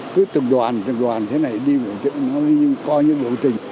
cứ từng đoàn từng đoàn thế này đi nó đi coi như đội trinh